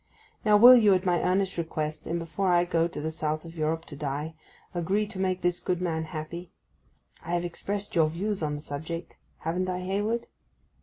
Now, will you, at my earnest request, and before I go to the South of Europe to die, agree to make this good man happy? I have expressed your views on the subject, haven't I, Hayward?